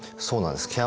そうなんです。